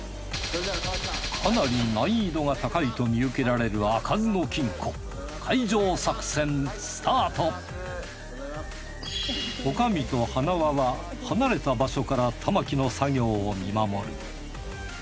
かなり難易度が高いと見受けられる女将とはなわは離れた場所から玉置の作業を見守る。